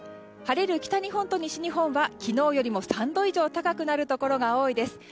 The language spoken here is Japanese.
晴れる北日本と西日本は昨日よりも３度以上高くなるところが多いです。